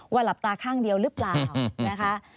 หลับตาข้างเดียวหรือเปล่านะคะ